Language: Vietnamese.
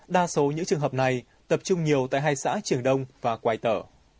đa số những trường hợp này tập trung nhiều tại hai xã trường đông và quài tở